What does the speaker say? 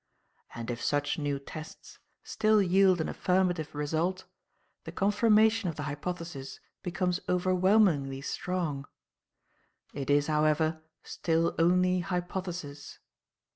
And if such new tests still yield an affirmative result, the confirmation of the hypothesis becomes overwhelmingly strong. It is, however, still only hypothesis.